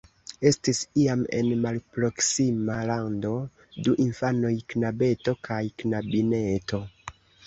Estis iam en malproksima lando du infanoj, knabeto kaj knabineto.